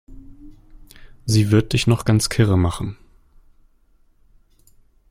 Sie wird dich noch ganz kirre machen.